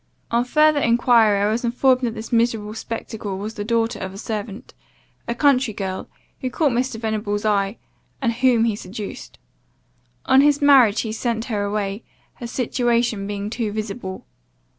"On further enquiry I was informed, that this miserable spectacle was the daughter of a servant, a country girl, who caught Mr. Venables' eye, and whom he seduced. On his marriage he sent her away, her situation being too visible.